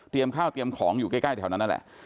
เตรียมข้าวเตรียมของอยู่ใกล้แถวนั้นแหละ